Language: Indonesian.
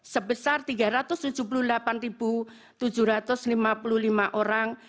sebesar tiga ratus tujuh puluh delapan tujuh ratus lima puluh lima orang